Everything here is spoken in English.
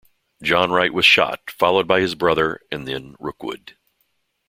John Wright was shot, followed by his brother, and then Rookwood.